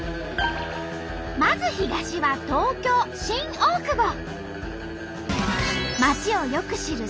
まず東は東京・新大久保。